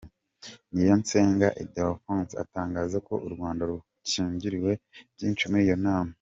Niyonsenga Ildephonse atangaza ko u Rwanda rwungukiye byinshi muri iyo nama.